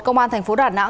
công an tp hcm